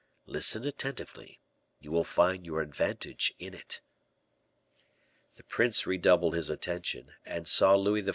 Listen attentively, you will find your advantage in it." The prince redoubled his attention, and saw Louis XIV.